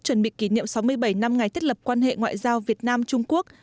chuẩn bị kỷ niệm sáu mươi bảy năm ngày thiết lập quan hệ ngoại giao việt nam trung quốc